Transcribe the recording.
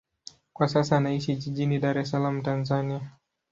Kwa sasa anaishi jijini Dar es Salaam, Tanzania.